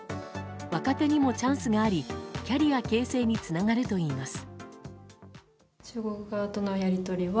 若手にもチャンスがありキャリア形成につながるといいます。